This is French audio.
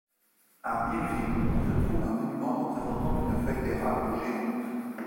À Millville se trouve un monument représentant une feuille d'érable géante.